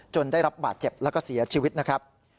ได้รับบาดเจ็บแล้วก็เสียชีวิตนะครับ